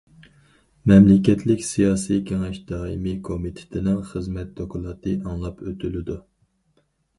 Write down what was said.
مەملىكەتلىك سىياسىي كېڭەش دائىمىي كومىتېتىنىڭ خىزمەت دوكلاتى ئاڭلاپ ئۆتۈلىدۇ.